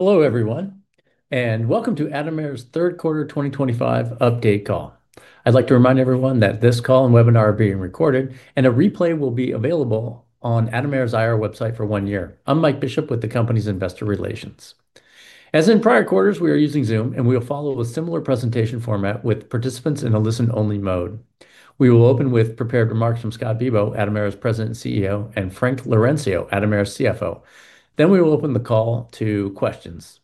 Hello, everyone, and welcome to Atomera's third quarter 2025 update call. I'd like to remind everyone that this call and webinar are being recorded, and a replay will be available on Atomera's IR website for one year. I'm Mike Bishop with the company's investor relations. As in prior quarters, we are using Zoom, and we will follow a similar presentation format with participants in a listen-only mode. We will open with prepared remarks from Scott Bibaud, Atomera's President and CEO, and Frank Laurencio, Atomera's CFO. Then we will open the call to questions.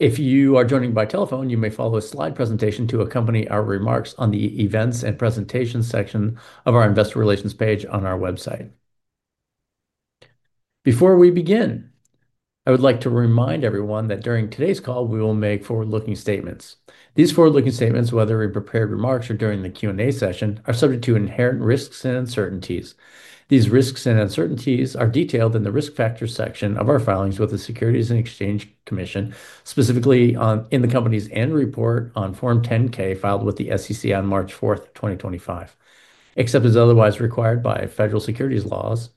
If you are joining by telephone, you may follow a slide presentation to accompany our remarks on the events and presentations section of our investor relations page on our website. Before we begin, I would like to remind everyone that during today's call, we will make forward-looking statements. These forward-looking statements, whether in prepared remarks or during the Q&A session, are subject to inherent risks and uncertainties. These risks and uncertainties are detailed in the risk factors section of our filings with the Securities and Exchange Commission, specifically in the company's annual report on Form 10-K filed with the SEC on March 4th, 2025. Except as otherwise required by federal securities laws,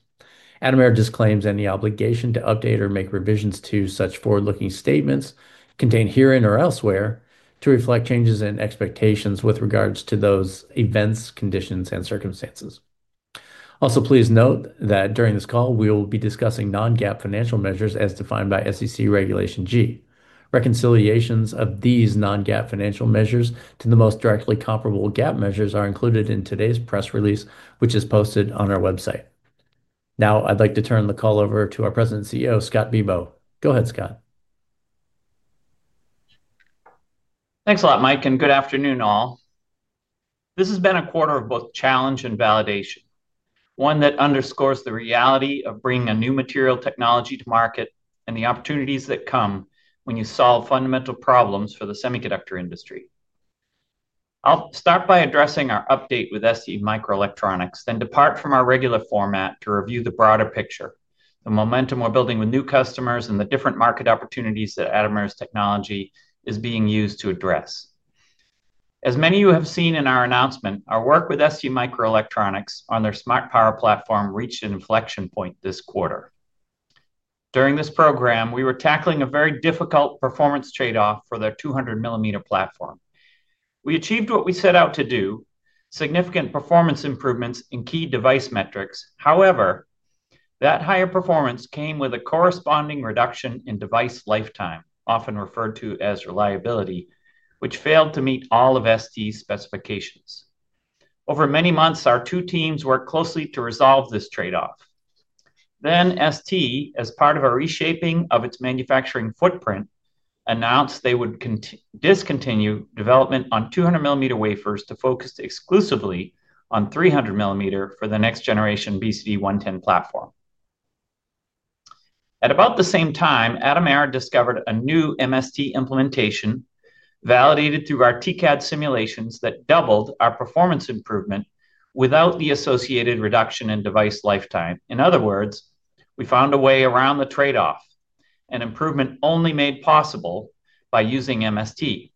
Atomera disclaims any obligation to update or make revisions to such forward-looking statements contained herein or elsewhere to reflect changes in expectations with regards to those events, conditions, and circumstances. Also, please note that during this call, we will be discussing non-GAAP financial measures as defined by SEC Regulation G. Reconciliations of these non-GAAP financial measures to the most directly comparable GAAP measures are included in today's press release, which is posted on our website. Now, I'd like to turn the call over to our President and CEO, Scott Bibaud. Go ahead, Scott. Thanks a lot, Mike, and good afternoon all. This has been a quarter of both challenge and validation, one that underscores the reality of bringing a new material technology to market and the opportunities that come when you solve fundamental problems for the semiconductor industry. I'll start by addressing our update with STMicroelectronics, then depart from our regular format to review the broader picture, the momentum we're building with new customers, and the different market opportunities that Atomera's technology is being used to address. As many of you have seen in our announcement, our work with STMicroelectronics on their smart power platform reached an inflection point this quarter. During this program, we were tackling a very difficult performance trade-off for their 200 mm platform. We achieved what we set out to do: significant performance improvements in key device metrics. However, that higher performance came with a corresponding reduction in device lifetime, often referred to as reliability, which failed to meet all of ST's specifications. Over many months, our two teams worked closely to resolve this trade-off. ST, as part of a reshaping of its manufacturing footprint, announced they would discontinue development on 200 mm wafers to focus exclusively on 300 mm for the next-generation BCD110 platform. At about the same time, Atomera discovered a new MST implementation validated through our TCAD simulations that doubled our performance improvement without the associated reduction in device lifetime. In other words, we found a way around the trade-off, an improvement only made possible by using MST.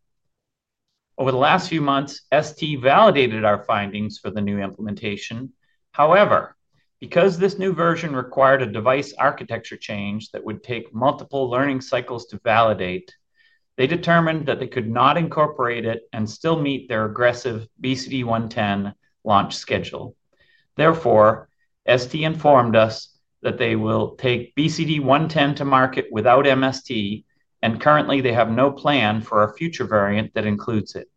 Over the last few months, ST validated our findings for the new implementation. However, because this new version required a device architecture change that would take multiple learning cycles to validate, they determined that they could not incorporate it and still meet their aggressive BCD110 launch schedule. Therefore, ST informed us that they will take BCD110 to market without MST, and currently they have no plan for a future variant that includes it.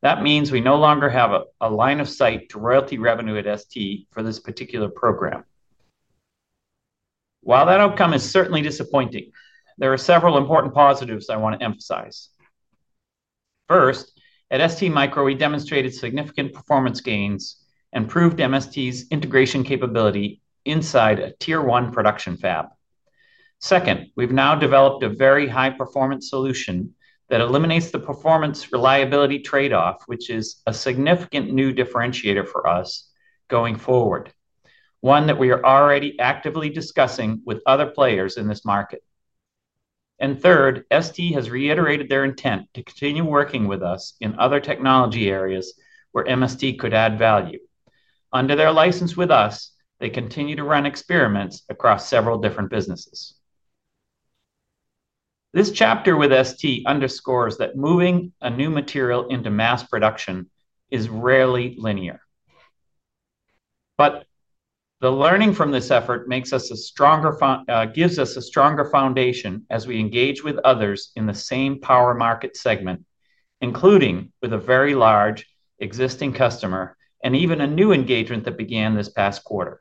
That means we no longer have a line of sight to royalty revenue at ST for this particular program. While that outcome is certainly disappointing, there are several important positives I want to emphasize. First, at STMicroelectronics, we demonstrated significant performance gains and proved MST's integration capability inside a tier-one production fab. Second, we've now developed a very high-performance solution that eliminates the performance reliability trade-off, which is a significant new differentiator for us going forward, one that we are already actively discussing with other players in this market. Third, STMicroelectronics has reiterated their intent to continue working with us in other technology areas where MST could add value. Under their license with us, they continue to run experiments across several different businesses. This chapter with STMicroelectronics underscores that moving a new material into mass production is rarely linear. The learning from this effort gives us a stronger foundation as we engage with others in the same power market segment, including with a very large existing customer and even a new engagement that began this past quarter.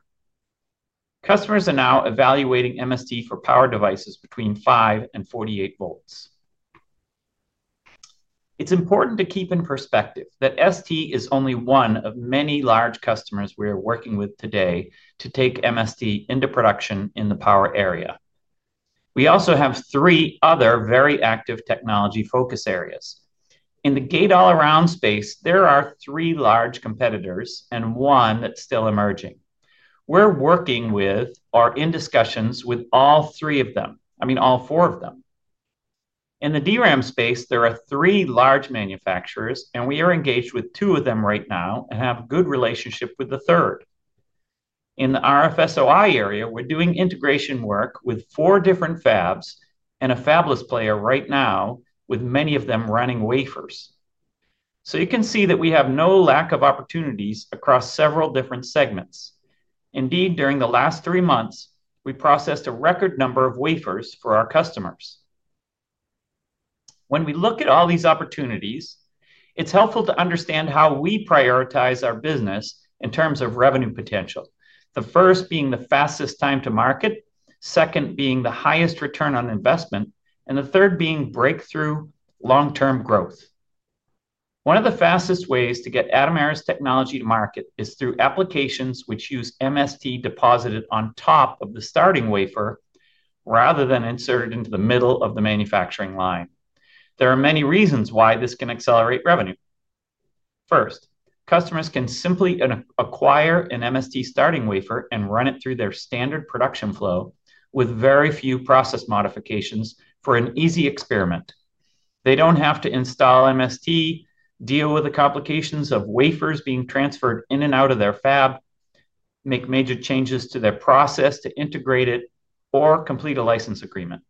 Customers are now evaluating MST for power devices between 5 and 48 volts. It's important to keep in perspective that STMicroelectronics is only one of many large customers we are working with today to take MST into production in the power area. We also have three other very active technology focus areas. In the gate-all-around space, there are three large competitors and one that's still emerging. We're working with or in discussions with all three of them, I mean all four of them. In the DRAM space, there are three large manufacturers, and we are engaged with two of them right now and have a good relationship with the third. In the RF SOI area, we're doing integration work with four different fabs and a fabless player right now, with many of them running wafers. You can see that we have no lack of opportunities across several different segments. Indeed, during the last three months, we processed a record number of wafers for our customers. When we look at all these opportunities, it's helpful to understand how we prioritize our business in terms of revenue potential, the first being the fastest time to market, second being the highest return on investment, and the third being breakthrough long-term growth. One of the fastest ways to get Atomera's technology to market is through applications which use MST deposited on top of the starting wafer rather than inserted into the middle of the manufacturing line. There are many reasons why this can accelerate revenue. First, customers can simply acquire an MST starting wafer and run it through their standard production flow with very few process modifications for an easy experiment. They don't have to install MST, deal with the complications of wafers being transferred in and out of their fab, make major changes to their process to integrate it, or complete a license agreement.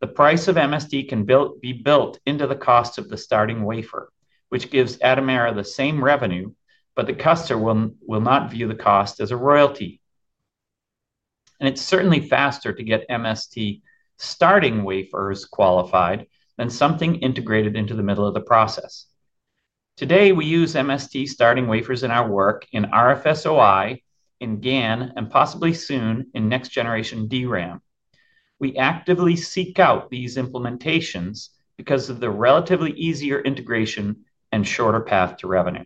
The price of MST can be built into the cost of the starting wafer, which gives Atomera the same revenue, but the customer will not view the cost as a royalty. It's certainly faster to get MST starting wafers qualified than something integrated into the middle of the process. Today, we use MST starting wafers in our work in RF SOI, in gallium nitride, and possibly soon in next-generation DRAM. We actively seek out these implementations because of the relatively easier integration and shorter path to revenue.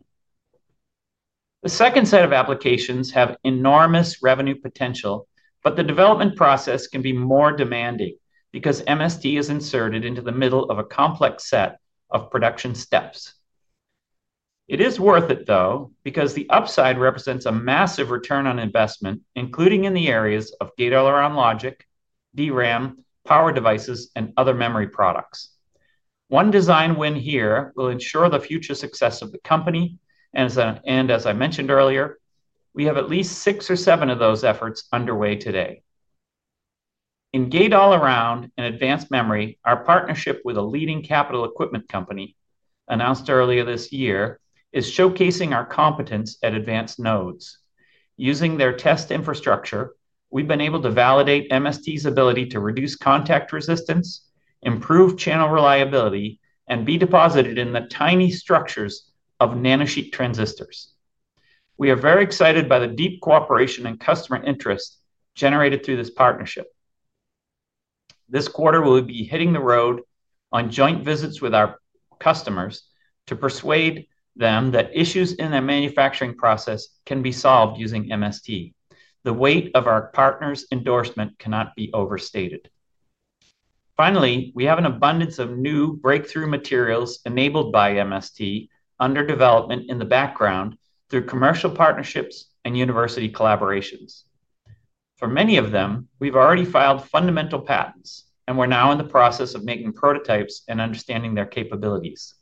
The second set of applications has enormous revenue potential, but the development process can be more demanding because MST is inserted into the middle of a complex set of production steps. It is worth it, though, because the upside represents a massive return on investment, including in the areas of gate-all-around logic, DRAM, power devices, and other memory products. One design win here will ensure the future success of the company, and as I mentioned earlier, we have at least six or seven of those efforts underway today. In gate-all-around and advanced memory, our partnership with a leading capital equipment company announced earlier this year is showcasing our competence at advanced nodes. Using their test infrastructure, we've been able to validate MST's ability to reduce contact resistance, improve channel reliability, and be deposited in the tiny structures of nanosheet transistors. We are very excited by the deep cooperation and customer interest generated through this partnership. This quarter, we'll be hitting the road on joint visits with our customers to persuade them that issues in their manufacturing process can be solved using MST. The weight of our partners' endorsement cannot be overstated. Finally, we have an abundance of new breakthrough materials enabled by MST under development in the background through commercial partnerships and university collaborations. For many of them, we've already filed fundamental patents, and we're now in the process of making prototypes and understanding their capabilities.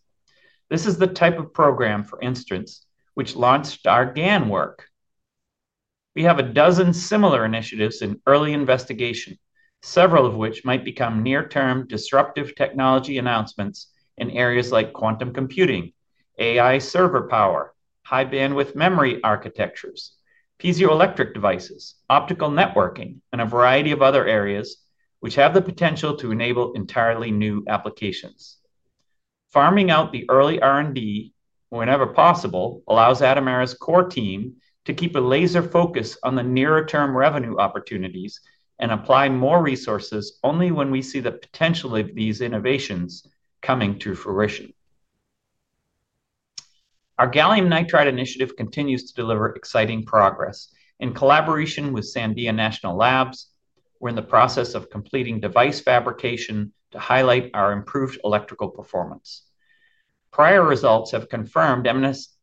This is the type of program for instruments which launched our gallium nitride work. We have a dozen similar initiatives in early investigation, several of which might become near-term disruptive technology announcements in areas like quantum computing, AI server power, high-bandwidth memory architectures, piezoelectric devices, optical networking, and a variety of other areas which have the potential to enable entirely new applications. Farming out the early R&D whenever possible allows Atomera's core team to keep a laser focus on the nearer-term revenue opportunities and apply more resources only when we see the potential of these innovations coming to fruition. Our gallium nitride initiative continues to deliver exciting progress. In collaboration with Sandia National Labs, we're in the process of completing device fabrication to highlight our improved electrical performance. Prior results have confirmed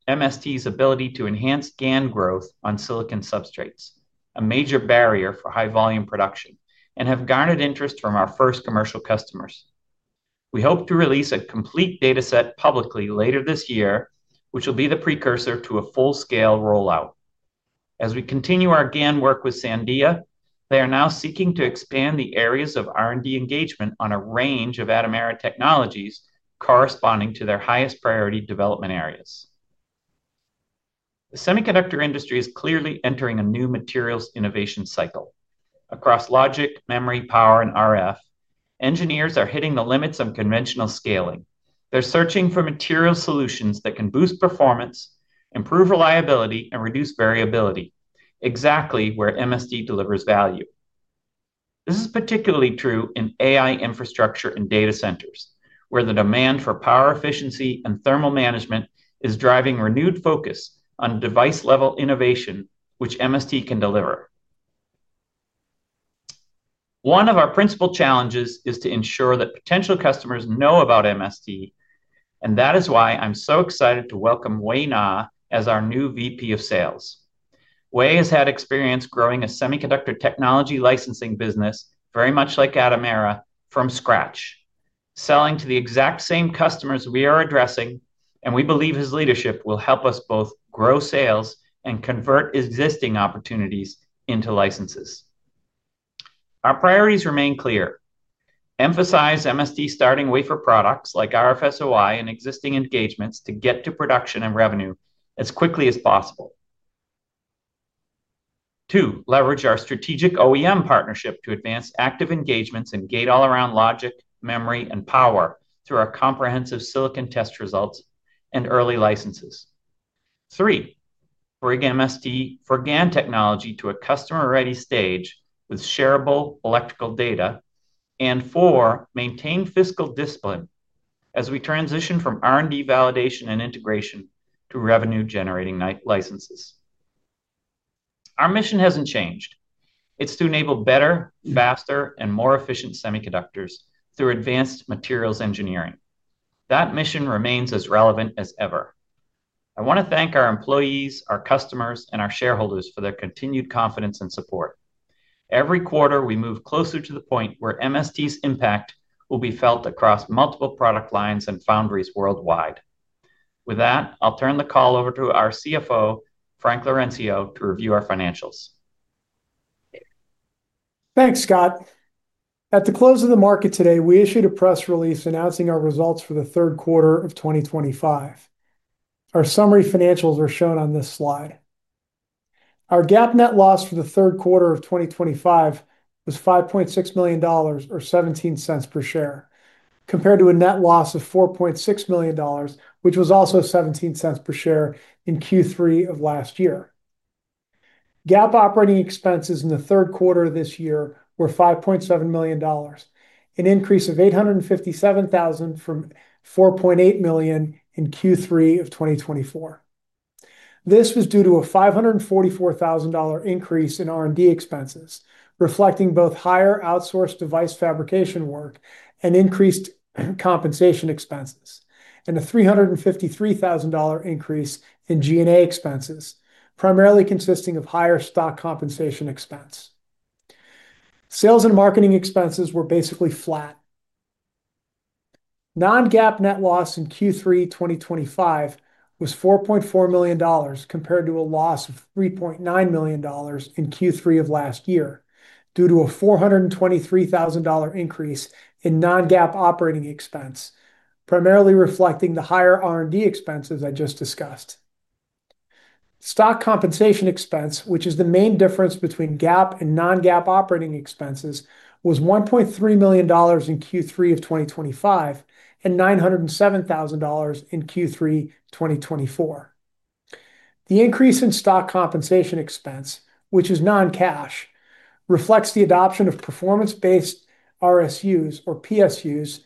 MST's ability to enhance GaN growth on silicon substrates, a major barrier for high-volume production, and have garnered interest from our first commercial customers. We hope to release a complete dataset publicly later this year, which will be the precursor to a full-scale rollout. As we continue our GaN work with Sandia, they are now seeking to expand the areas of R&D engagement on a range of Atomera technologies corresponding to their highest priority development areas. The semiconductor industry is clearly entering a new materials innovation cycle. Across logic, memory, power, and RF, engineers are hitting the limits on conventional scaling. They're searching for material solutions that can boost performance, improve reliability, and reduce variability, exactly where MST delivers value. This is particularly true in AI infrastructure and data centers, where the demand for power efficiency and thermal management is driving renewed focus on device-level innovation, which MST can deliver. One of our principal challenges is to ensure that potential customers know about MST, and that is why I'm so excited to welcome Wei Na as our new VP of Sales. Wei has had experience growing a semiconductor technology licensing business, very much like Atomera, from scratch, selling to the exact same customers we are addressing, and we believe his leadership will help us both grow sales and convert existing opportunities into licenses. Our priorities remain clear: emphasize MST starting wafer products like RF SOI and existing engagements to get to production and revenue as quickly as possible. Two, leverage our strategic OEM partnership to advance active engagements in gate-all-around logic, memory, and power through our comprehensive silicon test results and early licenses. Three, bring MST for gallium nitride technology to a customer-ready stage with shareable electrical data. Four, maintain fiscal discipline as we transition from R&D validation and integration to revenue-generating licenses. Our mission hasn't changed. It's to enable better, faster, and more efficient semiconductors through advanced materials engineering. That mission remains as relevant as ever. I want to thank our employees, our customers, and our shareholders for their continued confidence and support. Every quarter, we move closer to the point where MST's impact will be felt across multiple product lines and foundries worldwide. With that, I'll turn the call over to our CFO, Frank Laurencio, to review our financials. Thanks, Scott. At the close of the market today, we issued a press release announcing our results for the third quarter of 2025. Our summary financials are shown on this slide. Our GAAP net loss for the third quarter of 2025 was $5.6 million or $0.17 per share, compared to a net loss of $4.6 million, which was also $0.17 per share in Q3 of last year. GAAP operating expenses in the third quarter of this year were $5.7 million, an increase of $857,000 from $4.8 million in Q3 of 2024. This was due to a $544,000 increase in R&D expenses, reflecting both higher outsourced device fabrication work and increased compensation expenses, and a $353,000 increase in G&A expenses, primarily consisting of higher stock compensation expense. Sales and marketing expenses were basically flat. Non-GAAP net loss in Q3 2025 was $4.4 million compared to a loss of $3.9 million in Q3 of last year due to a $423,000 increase in non-GAAP operating expense, primarily reflecting the higher R&D expenses I just discussed. Stock compensation expense, which is the main difference between GAAP and non-GAAP operating expenses, was $1.3 million in Q3 of 2025 and $907,000 in Q3 2024. The increase in stock compensation expense, which is non-cash, reflects the adoption of performance-based RSUs or PSUs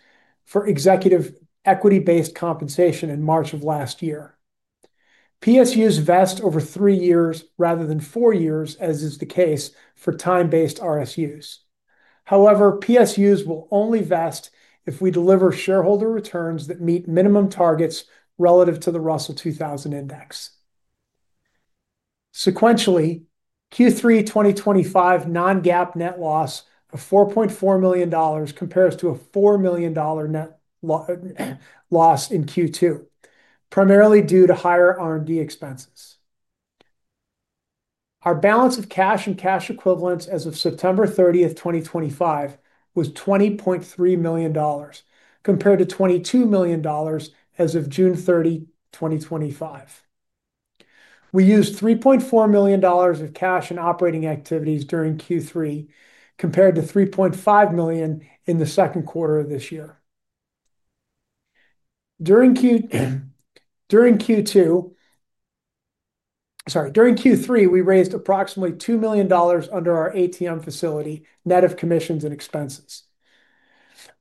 for executive equity-based compensation in March of last year. PSUs vest over three years rather than four years, as is the case for time-based RSUs. However, PSUs will only vest if we deliver shareholder returns that meet minimum targets relative to the Russell 2000 Index. Sequentially, Q3 2025 non-GAAP net loss of $4.4 million compares to a $4 million net loss in Q2, primarily due to higher R&D expenses. Our balance of cash and cash equivalents as of September 30, 2025 was $20.3 million compared to $22 million as of June 30, 2025. We used $3.4 million of cash in operating activities during Q3 compared to $3.5 million in the second quarter of this year. During Q3, we raised approximately $2 million under our ATM facility, net of commissions and expenses,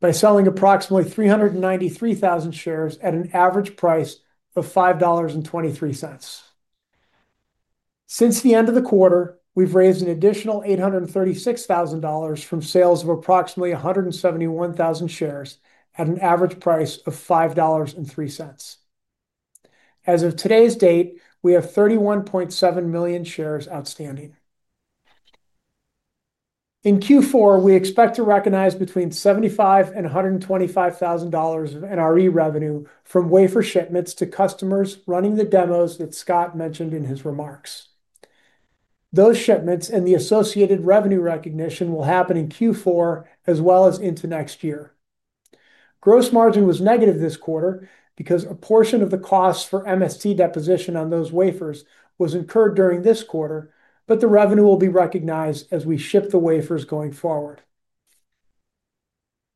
by selling approximately 393,000 shares at an average price of $5.23. Since the end of the quarter, we've raised an additional $836,000 from sales of approximately 171,000 shares at an average price of $5.03. As of today's date, we have 31.7 million shares outstanding. In Q4, we expect to recognize between $75,000 and $125,000 of NRE revenue from wafer shipments to customers running the demos that Scott mentioned in his remarks. Those shipments and the associated revenue recognition will happen in Q4 as well as into next year. Gross margin was negative this quarter because a portion of the cost for MST deposition on those wafers was incurred during this quarter, but the revenue will be recognized as we ship the wafers going forward.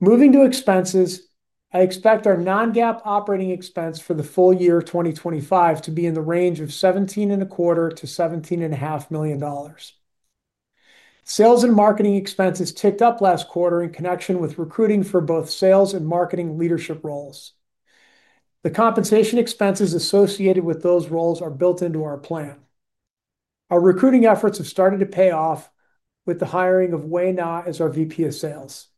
Moving to expenses, I expect our non-GAAP operating expense for the full year of 2025 to be in the range of $17.25 million to $17.5 million. Sales and marketing expenses ticked up last quarter in connection with recruiting for both sales and marketing leadership roles. The compensation expenses associated with those roles are built into our plan. Our recruiting efforts have started to pay off with the hiring of Wei Na as our VP of Sales.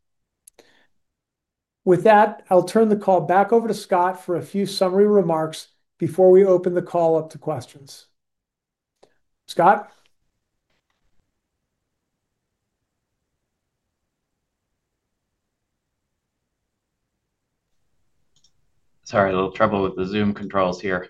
With that, I'll turn the call back over to Scott for a few summary remarks before we open the call up to questions. Scott? Sorry, a little trouble with the Zoom controls here.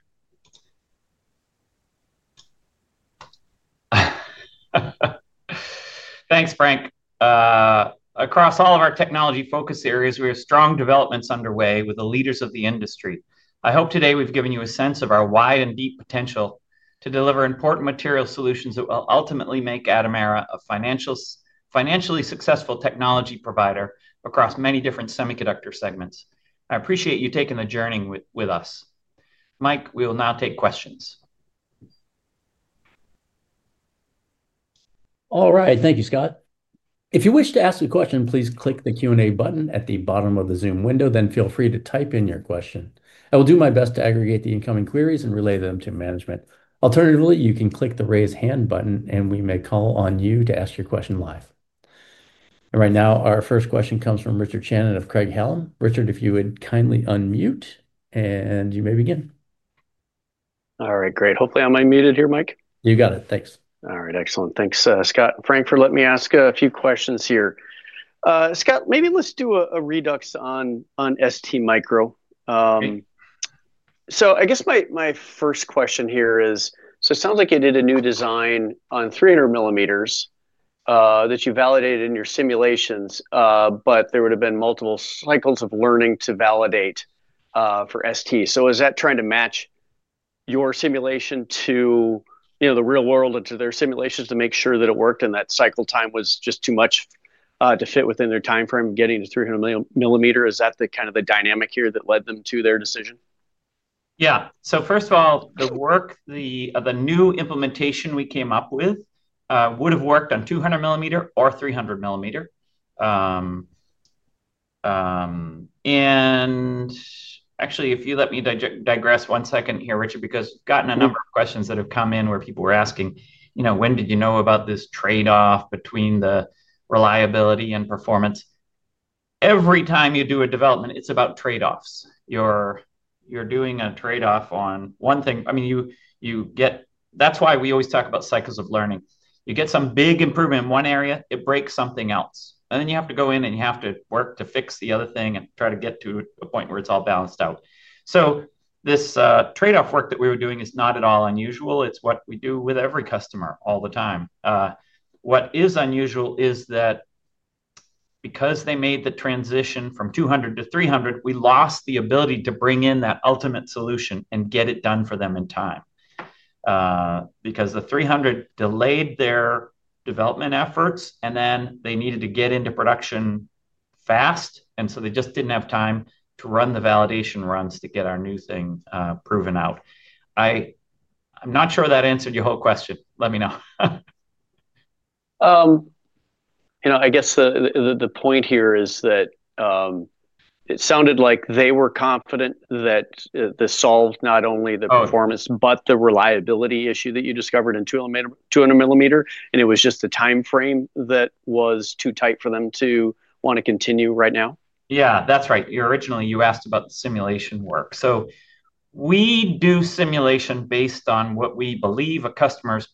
Thanks, Frank. Across all of our technology focus areas, we have strong developments underway with the leaders of the industry. I hope today we've given you a sense of our wide and deep potential to deliver important material solutions that will ultimately make Atomera a financially successful technology provider across many different semiconductor segments. I appreciate you taking the journey with us. Mike, we will now take questions. All right. Thank you, Scott. If you wish to ask a question, please click the Q&A button at the bottom of the Zoom window, then feel free to type in your question. I will do my best to aggregate the incoming queries and relay them to management. Alternatively, you can click the Raise Hand button, and we may call on you to ask your question live. Right now, our first question comes from Richard Shannon of Craig Hallum. Richard, if you would kindly unmute, you may begin. All right, great. Hopefully, I'm unmuted here, Mike. You got it. Thanks. All right, excellent. Thanks, Scott. Frank, let me ask a few questions here. Scott, maybe let's do a redux on STMicroelectronics. I guess my first question here is, it sounds like you did a new design on 300mm that you validated in your simulations, but there would have been multiple cycles of learning to validate for ST. Is that trying to match your simulation to the real world and to their simulations to make sure that it worked, and that cycle time was just too much to fit within their timeframe getting to 300 mm? Is that kind of the dynamic here that led them to their decision? Yeah. First of all, the work of the new implementation we came up with would have worked on 200 mm or 300 mm. Actually, if you let me digress one second here, Richard, because I've gotten a number of questions that have come in where people were asking, you know, when did you know about this trade-off between the reliability and performance? Every time you do a development, it's about trade-offs. You're doing a trade-off on one thing. That's why we always talk about cycles of learning. You get some big improvement in one area, it breaks something else. You have to go in and you have to work to fix the other thing and try to get to a point where it's all balanced out. This trade-off work that we were doing is not at all unusual. It's what we do with every customer all the time. What is unusual is that because they made the transition from 200 to 300, we lost the ability to bring in that ultimate solution and get it done for them in time because the 300 delayed their development efforts, and they needed to get into production fast. They just didn't have time to run the validation runs to get our new thing proven out. I'm not sure that answered your whole question. Let me know. I guess the point here is that it sounded like they were confident that this solved not only the performance but the reliability issue that you discovered in 200 mm, and it was just the timeframe that was too tight for them to want to continue right now. Yeah, that's right. Originally, you asked about the simulation work. We do simulation based on what we believe a customer's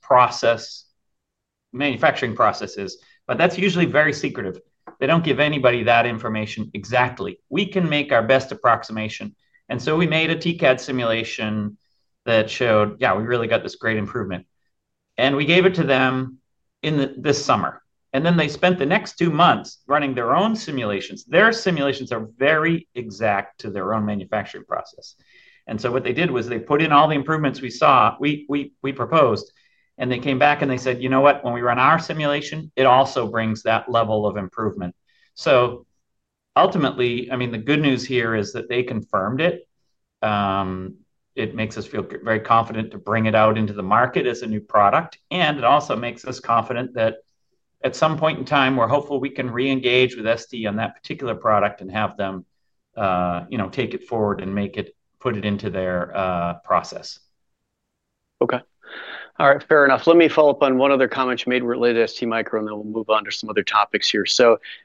manufacturing process is, but that's usually very secretive. They don't give anybody that information exactly. We can make our best approximation. We made a TCAD simulation that showed, yeah, we really got this great improvement. We gave it to them this summer. They spent the next two months running their own simulations. Their simulations are very exact to their own manufacturing process. What they did was they put in all the improvements we saw, we proposed, and they came back and they said, you know what? When we run our simulation, it also brings that level of improvement. Ultimately, the good news here is that they confirmed it. It makes us feel very confident to bring it out into the market as a new product. It also makes us confident that at some point in time, we're hopeful we can re-engage with ST on that particular product and have them take it forward and put it into their process. All right, fair enough. Let me follow up on one other comment you made related to STMicroelectronics, and then we'll move on to some other topics here.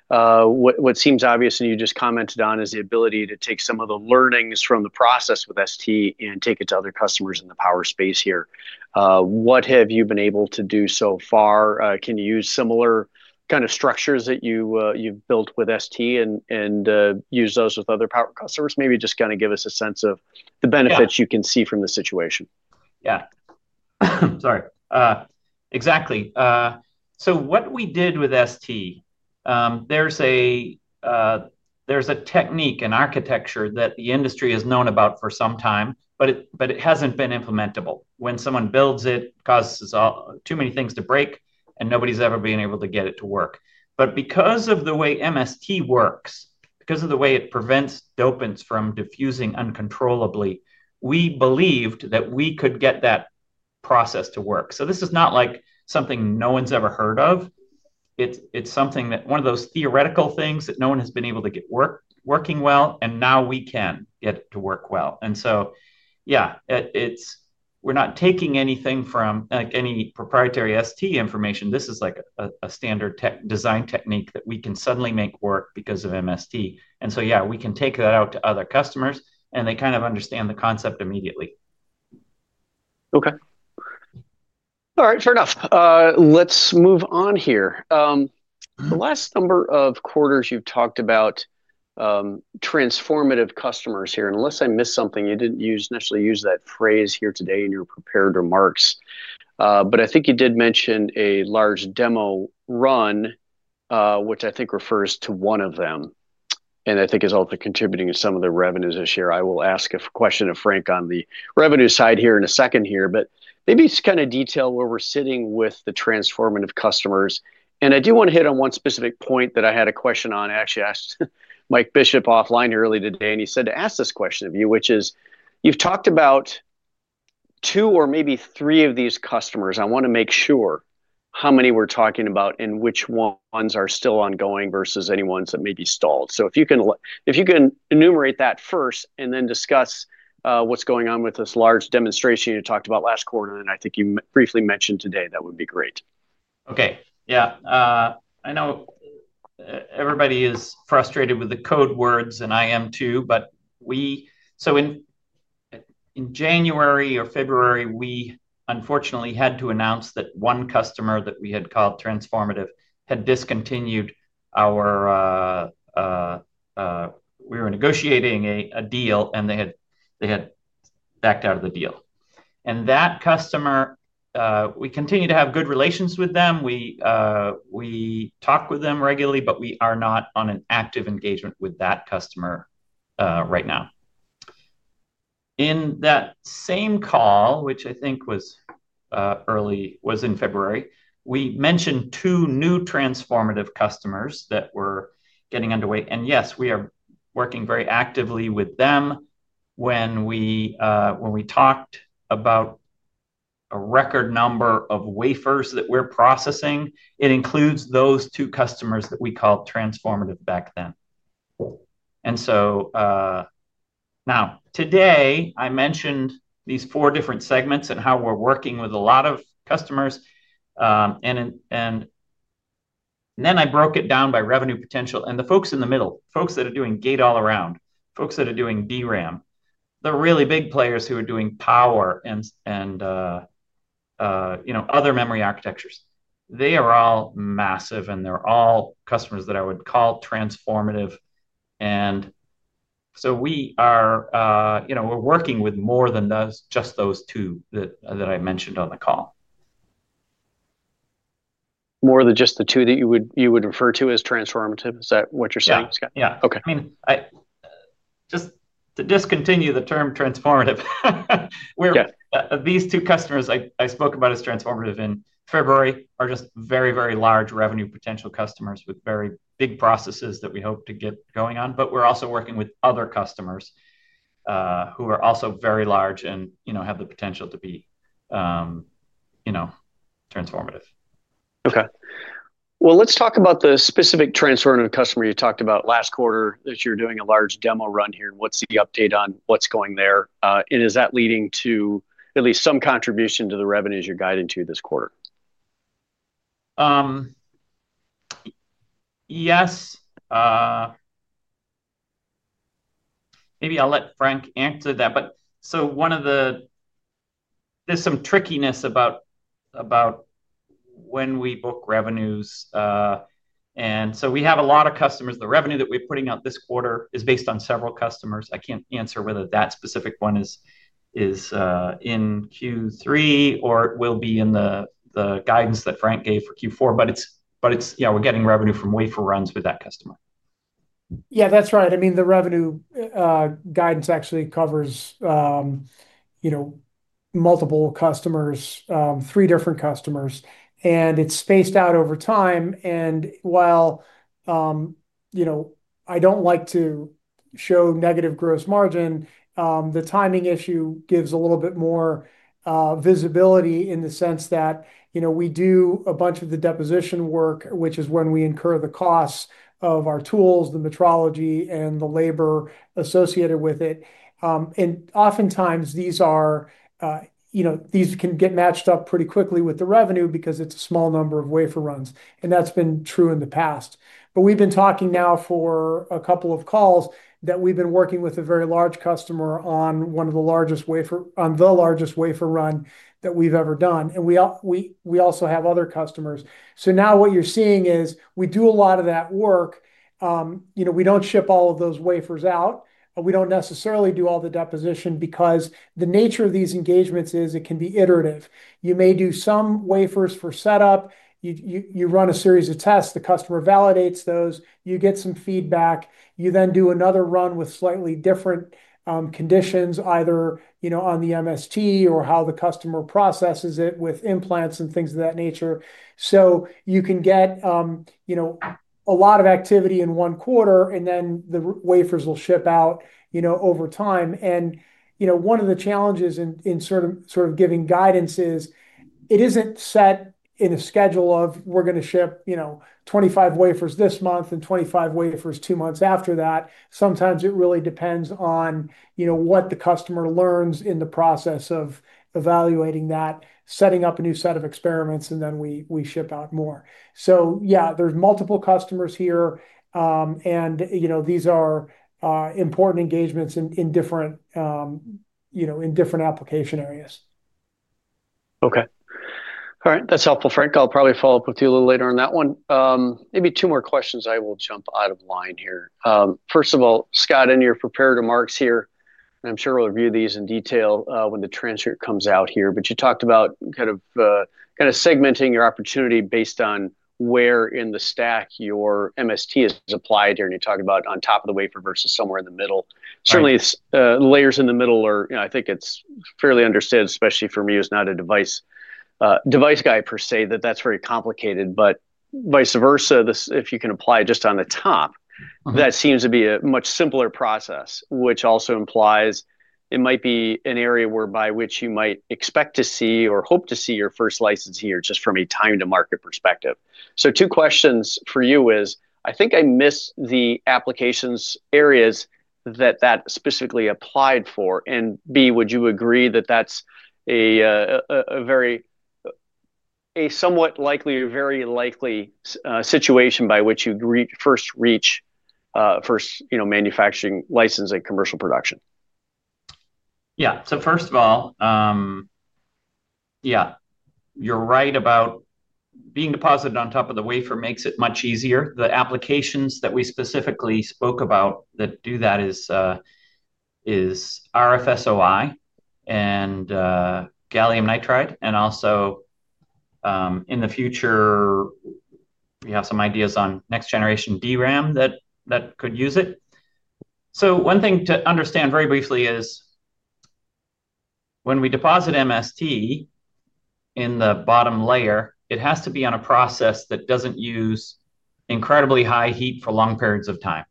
What seems obvious, and you just commented on, is the ability to take some of the learnings from the process with STMicroelectronics and take it to other customers in the power space here. What have you been able to do so far? Can you use similar kind of structures that you've built with STMicroelectronics and use those with other power customers? Maybe just kind of give us a sense of the benefits you can see from the situation. Exactly. What we did with STMicroelectronics, there's a technique, an architecture that the industry has known about for some time, but it hasn't been implementable. When someone builds it, it causes too many things to break, and nobody's ever been able to get it to work. Because of the way MST works, because of the way it prevents dopants from diffusing uncontrollably, we believed that we could get that process to work. This is not like something no one's ever heard of. It's something that is one of those theoretical things that no one has been able to get working well, and now we can get it to work well. We're not taking anything from any proprietary STMicroelectronics information. This is a standard design technique that we can suddenly make work because of MST. We can take that out to other customers, and they kind of understand the concept immediately. Okay. All right, fair enough. Let's move on here. The last number of quarters, you've talked about transformative customers here. Unless I missed something, you didn't necessarily use that phrase here today in your prepared remarks. I think you did mention a large demo run, which I think refers to one of them, and I think is also contributing to some of the revenues this year. I will ask a question of Frank on the revenue side here in a second, but maybe just kind of detail where we're sitting with the transformative customers. I do want to hit on one specific point that I had a question on. I actually asked Mike Bishop offline earlier today, and he said to ask this question of you, which is, you've talked about two or maybe three of these customers. I want to make sure how many we're talking about and which ones are still ongoing versus any ones that may be stalled. If you can enumerate that first and then discuss what's going on with this large demonstration you talked about last quarter, and I think you briefly mentioned today, that would be great. Okay. Yeah. I know everybody is frustrated with the code words, and I am too, but in January or February, we unfortunately had to announce that one customer that we had called transformative had discontinued our, we were negotiating a deal, and they had backed out of the deal. That customer, we continue to have good relations with them. We talk with them regularly, but we are not on an active engagement with that customer right now. In that same call, which I think was in February, we mentioned two new transformative customers that were getting underway. Yes, we are working very actively with them. When we talked about a record number of wafers that we're processing, it includes those two customers that we called transformative back then. Now, today, I mentioned these four different segments and how we're working with a lot of customers. I broke it down by revenue potential. The folks in the middle, folks that are doing gate-all-around, folks that are doing DRAM, the really big players who are doing power and other memory architectures, they are all massive, and they're all customers that I would call transformative. We are, you know, working with more than just those two that I mentioned on the call. More than just the two that you would refer to as transformative? Is that what you're saying, Scott? Yeah. Okay. Just to discontinue the term transformative, these two customers I spoke about as transformative in February are just very, very large revenue potential customers with very big processes that we hope to get going on. We're also working with other customers who are also very large and have the potential to be transformative. Okay. Let's talk about the specific transformative customer you talked about last quarter that you're doing a large demo run here. What's the update on what's going there? Is that leading to at least some contribution to the revenues you're guiding to this quarter? Yes. Maybe I'll let Frank answer that. There's some trickiness about when we book revenues. We have a lot of customers. The revenue that we're putting out this quarter is based on several customers. I can't answer whether that specific one is in Q3 or it will be in the guidance that Frank gave for Q4. It's, yeah, we're getting revenue from wafer runs with that customer. Yeah, that's right. I mean, the revenue guidance actually covers multiple customers, three different customers. It's spaced out over time. While I don't like to show negative gross margin, the timing issue gives a little bit more visibility in the sense that we do a bunch of the deposition work, which is when we incur the costs of our tools, the metrology, and the labor associated with it. Oftentimes, these can get matched up pretty quickly with the revenue because it's a small number of wafer runs, and that's been true in the past. We've been talking now for a couple of calls that we've been working with a very large customer on one of the largest wafer runs that we've ever done. We also have other customers. What you're seeing is we do a lot of that work. We don't ship all of those wafers out. We don't necessarily do all the deposition because the nature of these engagements is it can be iterative. You may do some wafers for setup. You run a series of tests. The customer validates those. You get some feedback. You then do another run with slightly different conditions, either on the MST or how the customer processes it with implants and things of that nature. You can get a lot of activity in one quarter, and then the wafers will ship out over time. One of the challenges in sort of giving guidance is it isn't set in a schedule of we're going to ship 25 wafers this month and 25 wafers two months after that. Sometimes it really depends on what the customer learns in the process of evaluating that, setting up a new set of experiments, and then we ship out more. Yeah, there's multiple customers here. These are important engagements in different application areas. Okay. All right. That's helpful, Frank. I'll probably follow up with you a little later on that one. Maybe two more questions. I will jump out of line here. First of all, Scott, in your prepared remarks here, and I'm sure we'll review these in detail when the transcript comes out here, but you talked about kind of segmenting your opportunity based on where in the stack your MST is applied here. You talked about on top of the wafer versus somewhere in the middle. Certainly, layers in the middle are, I think it's fairly understood, especially for me who's not a device guy per se, that that's very complicated. Vice versa, if you can apply just on the top, that seems to be a much simpler process, which also implies it might be an area by which you might expect to see or hope to see your first license here just from a time-to-market perspective. Two questions for you is, I think I missed the applications areas that that specifically applied for. B, would you agree that that's a somewhat likely or very likely situation by which you first reach first manufacturing license and commercial production? Yeah. First of all, you're right about being deposited on top of the wafer makes it much easier. The applications that we specifically spoke about that do that are RF SOI and gallium nitride. Also, in the future, we have some ideas on next-generation DRAM that could use it. One thing to understand very briefly is when we deposit MST in the bottom layer, it has to be on a process that doesn't use incredibly high heat for long periods of time.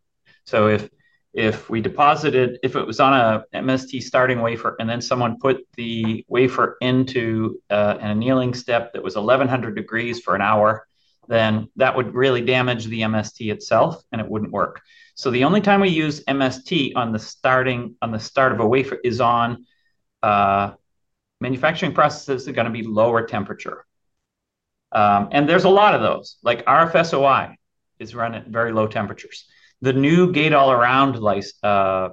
If we deposited, if it was on an MST starting wafer and then someone put the wafer into an annealing step that was 1,100 degrees for an hour, that would really damage the MST itself and it wouldn't work. The only time we use MST on the start of a wafer is on manufacturing processes that are going to be lower temperature, and there's a lot of those. RF SOI is run at very low temperatures. The new gate-all-around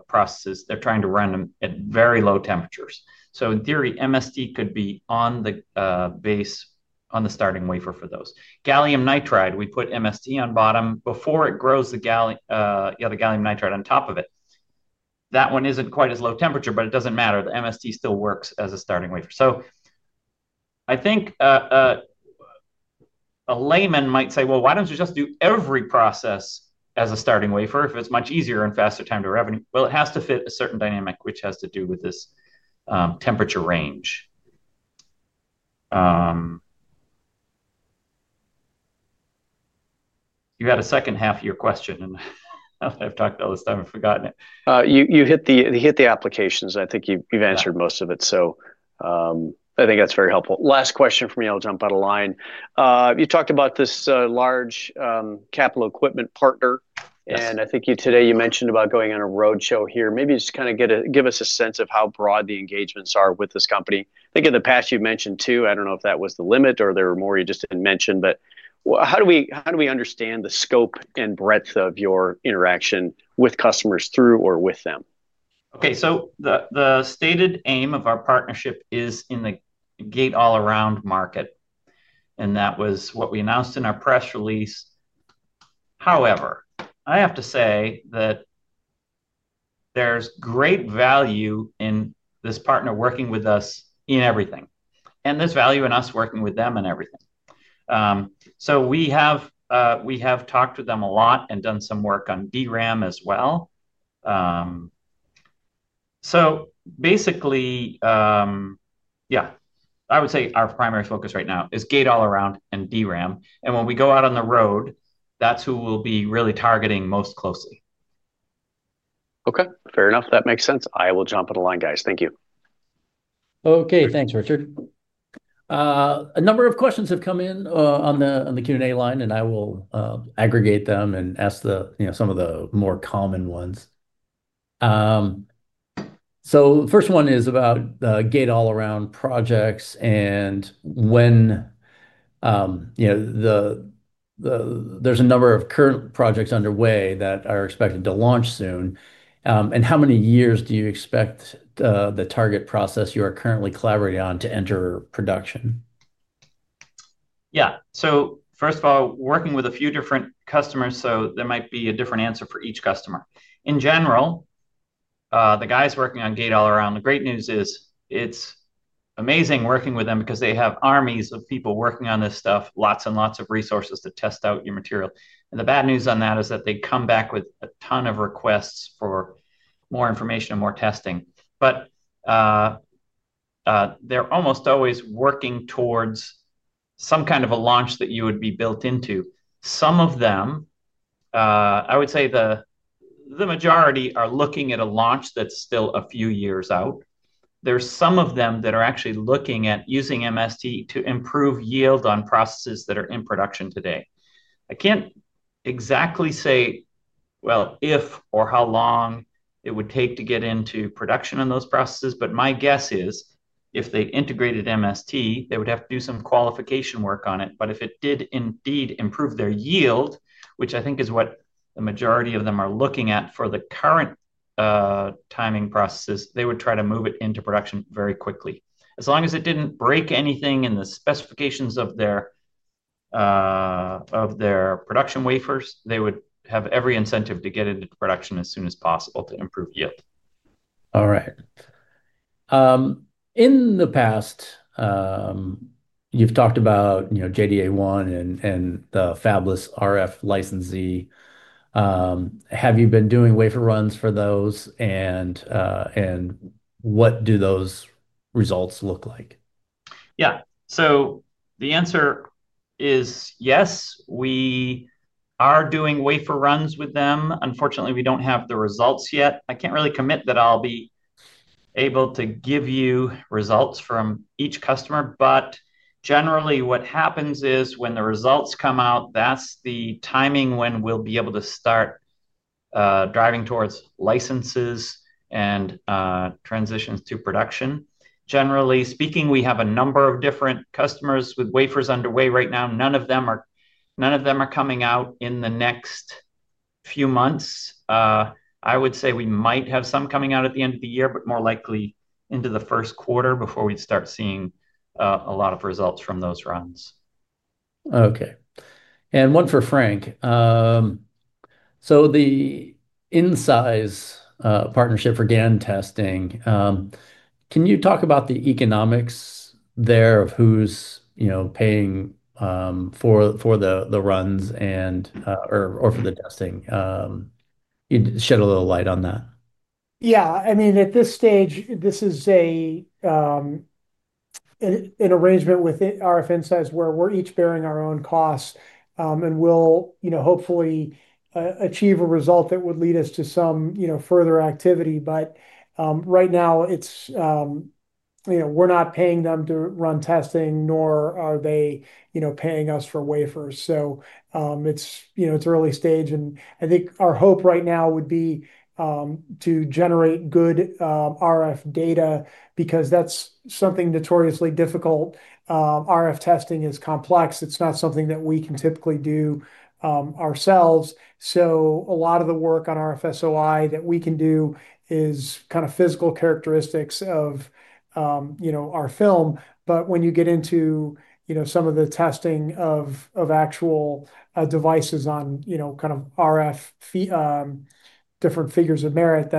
processes, they're trying to run them at very low temperatures. In theory, MST could be on the base, on the starting wafer for those. Gallium nitride, we put MST on bottom before it grows the gallium nitride on top of it. That one isn't quite as low temperature, but it doesn't matter. The MST still works as a starting wafer. I think a layman might say, why don't you just do every process as a starting wafer if it's much easier and faster time to revenue? It has to fit a certain dynamic, which has to do with this temperature range. You had a second half of your question, and I've talked all this time, I've forgotten it. You hit the applications. I think you've answered most of it. I think that's very helpful. Last question for me, I'll jump out of line. You talked about this large capital equipment partner. I think today you mentioned about going on a roadshow here. Maybe just kind of give us a sense of how broad the engagements are with this company. I think in the past you've mentioned two. I don't know if that was the limit or there were more you just didn't mention. How do we understand the scope and breadth of your interaction with customers through or with them? Okay. The stated aim of our partnership is in the gate-all-around market, and that was what we announced in our press release. However, I have to say that there's great value in this partner working with us in everything, and there's value in us working with them in everything. We have talked with them a lot and done some work on DRAM as well. Basically, I would say our primary focus right now is gate-all-around and DRAM. When we go out on the road, that's who we'll be really targeting most closely. Okay. Fair enough. That makes sense. I will jump online, guys. Thank you. Okay. Thanks, Richard. A number of questions have come in on the Q&A line, and I will aggregate them and ask some of the more common ones. The first one is about gate-all-around projects and when there's a number of current projects underway that are expected to launch soon. How many years do you expect the target process you are currently collaborating on to enter production? First of all, working with a few different customers, so there might be a different answer for each customer. In general, the guys working on gate-all-around, the great news is it's amazing working with them because they have armies of people working on this stuff, lots and lots of resources to test out your material. The bad news on that is that they come back with a ton of requests for more information and more testing. They're almost always working towards some kind of a launch that you would be built into. Some of them, I would say the majority, are looking at a launch that's still a few years out. There's some of them that are actually looking at using MST to improve yield on processes that are in production today. I can't exactly say if or how long it would take to get into production on those processes, but my guess is if they integrated MST, they would have to do some qualification work on it. If it did indeed improve their yield, which I think is what the majority of them are looking at for the current timing processes, they would try to move it into production very quickly. As long as it didn't break anything in the specifications of their production wafers, they would have every incentive to get it into production as soon as possible to improve yield. All right. In the past, you've talked about JDA-1 and the fabless RF licensee. Have you been doing wafer runs for those? What do those results look like? Yes, we are doing wafer runs with them. Unfortunately, we don't have the results yet. I can't really commit that I'll be able to give you results from each customer. Generally, what happens is when the results come out, that's the timing when we'll be able to start driving towards licenses and transitions to production. Generally speaking, we have a number of different customers with wafers underway right now. None of them are coming out in the next few months. I would say we might have some coming out at the end of the year, but more likely into the first quarter before we'd start seeing a lot of results from those runs. Okay. One for Frank. The Sandia National Labs partnership for gallium nitride testing, can you talk about the economics there of who's paying for the runs or for the testing? Can you shed a little light on that? Yeah. I mean, at this stage, this is an arrangement with RF Insights where we're each bearing our own costs. We'll hopefully achieve a result that would lead us to some further activity. Right now, we're not paying them to run testing, nor are they paying us for wafers. It's early stage. I think our hope right now would be to generate good RF data because that's something notoriously difficult. RF testing is complex. It's not something that we can typically do ourselves. A lot of the work on RF SOI that we can do is kind of physical characteristics of our film. When you get into some of the testing of actual devices on kind of RF different figures of merit,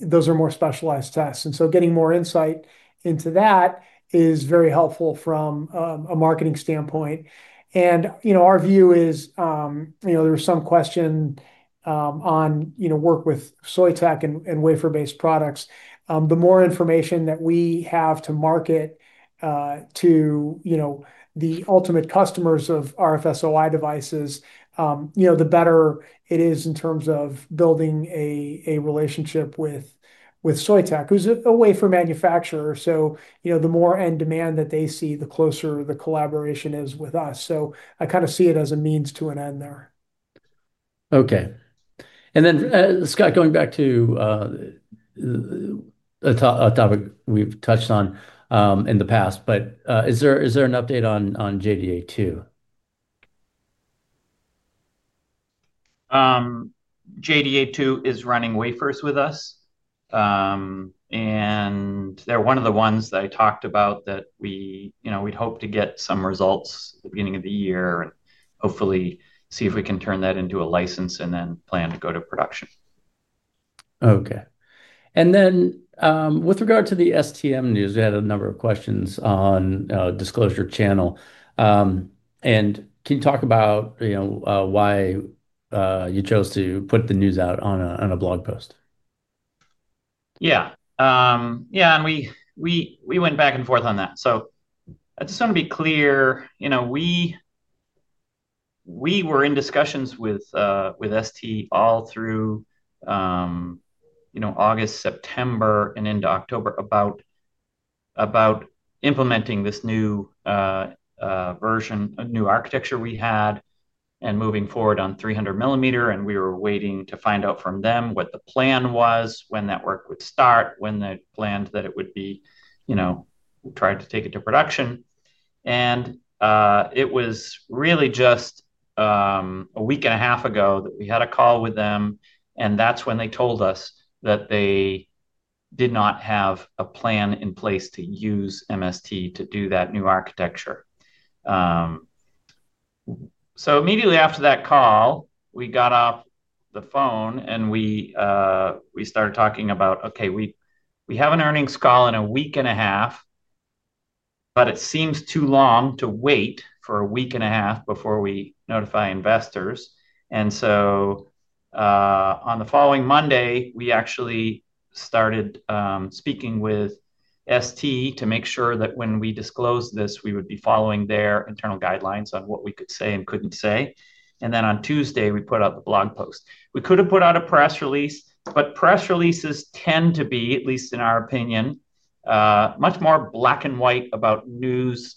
those are more specialized tests. Getting more insight into that is very helpful from a marketing standpoint. Our view is there's some question on work with Soitec and wafer-based products. The more information that we have to market to the ultimate customers of RF SOI devices, the better it is in terms of building a relationship with Soitec, who's a wafer manufacturer. The more end demand that they see, the closer the collaboration is with us. I kind of see it as a means to an end there. Okay. Scott, going back to a topic we've touched on in the past, is there an update on JDA-2? JDA-2 is running wafers with us. They are one of the ones that I talked about that we'd hope to get some results at the beginning of the year and hopefully see if we can turn that into a license and then plan to go to production. Okay. And then with regard to the STMicroelectronics news, we had a number of questions on Disclosure Channel. Can you talk about why you chose to put the news out on a blog post? Yeah. We went back and forth on that. I just want to be clear. We were in discussions with STMicroelectronics all through August, September, and into October about implementing this new version, a new architecture we had, and moving forward on 300 mm. We were waiting to find out from them what the plan was, when that work would start, when they planned that it would be, you know, tried to take it to production. It was really just a week and a half ago that we had a call with them, and that's when they told us that they did not have a plan in place to use MST to do that new architecture. Immediately after that call, we got off the phone and we started talking about, okay, we have an earnings call in a week and a half, but it seems too long to wait for a week and a half before we notify investors. On the following Monday, we actually started speaking with STMicroelectronics to make sure that when we disclosed this, we would be following their internal guidelines on what we could say and couldn't say. On Tuesday, we put out the blog post. We could have put out a press release, but press releases tend to be, at least in our opinion, much more black and white about news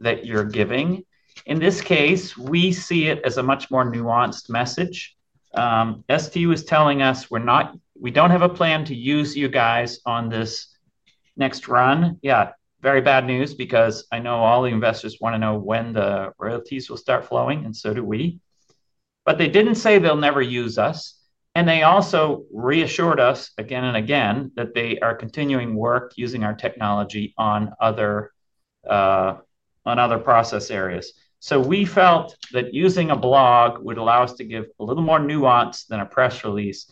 that you're giving. In this case, we see it as a much more nuanced message. STMicroelectronics was telling us we don't have a plan to use you guys on this next run. Yeah, very bad news because I know all the investors want to know when the royalties will start flowing, and so do we. They didn't say they'll never use us. They also reassured us again and again that they are continuing work using our technology on other process areas. We felt that using a blog would allow us to give a little more nuance than a press release.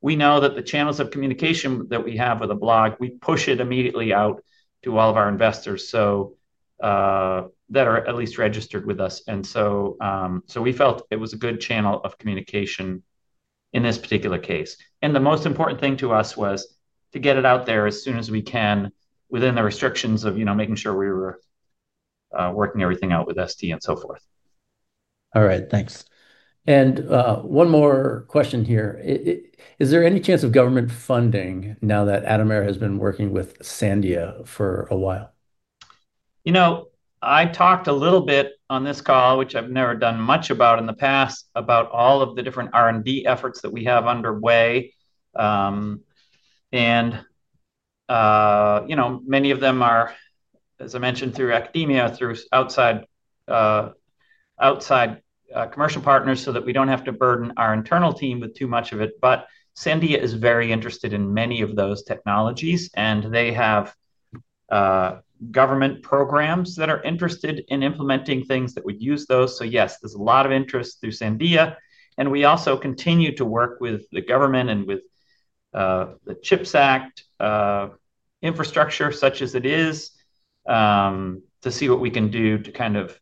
We know that the channels of communication that we have with a blog, we push it immediately out to all of our investors that are at least registered with us. We felt it was a good channel of communication in this particular case. The most important thing to us was to get it out there as soon as we can within the restrictions of making sure we were working everything out with STMicroelectronics and so forth. All right, thanks. One more question here. Is there any chance of government funding now that Atomera has been working with Sandia for a while? I talked a little bit on this call, which I've never done much about in the past, about all of the different R&D efforts that we have underway. Many of them are, as I mentioned, through academia, through outside commercial partners so that we don't have to burden our internal team with too much of it. Sandia is very interested in many of those technologies. They have government programs that are interested in implementing things that would use those. Yes, there's a lot of interest through Sandia. We also continue to work with the government and with the CHIPS Act, infrastructure such as it is, to see what we can do to kind of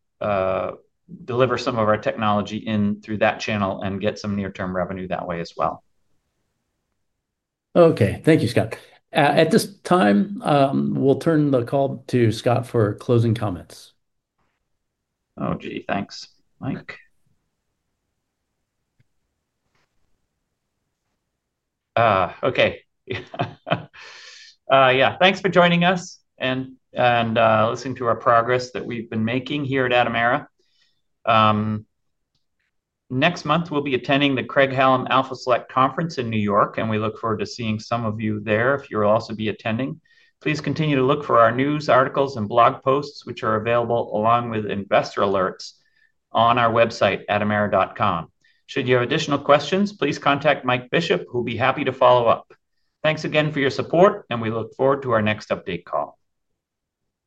deliver some of our technology in through that channel and get some near-term revenue that way as well. Okay. Thank you, Scott. At this time, we'll turn the call to Scott for closing comments. Oh, gee, thanks, Mike. Okay. Yeah, thanks for joining us and listening to our progress that we've been making here at Atomera. Next month, we'll be attending the Craig Hallum Alpha Select Conference in New York, and we look forward to seeing some of you there if you'll also be attending. Please continue to look for our news articles and blog posts, which are available along with investor alerts on our website, atomera.com. Should you have additional questions, please contact Mike Bishop, who'll be happy to follow up. Thanks again for your support, and we look forward to our next update call.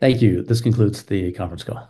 Thank you. This concludes the conference call.